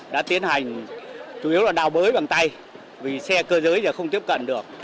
đã tiến hành chủ yếu là đào bới bằng tay vì xe cơ giới giờ không tiếp cận được